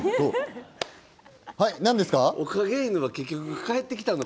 おかげ犬、結局帰ってきたの？